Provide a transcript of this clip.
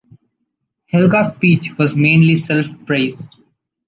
Helga’s speech was mainly self-praise.